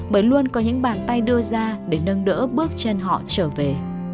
bởi luôn có những bàn tay đưa ra để nâng đỡ bước chân họ trở về